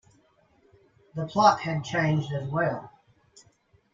The plot had changed as well.